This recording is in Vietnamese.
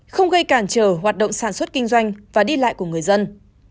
không gây cản trở hoạt động sản xuất kinh doanh và đi lại của người dân